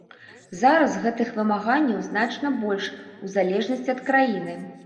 Зараз гэтых вымаганняў значна больш, у залежнасці ад краіны.